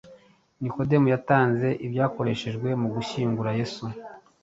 Nikodemu yatanze ibyakoreshejwe mu gushyingura Yesu.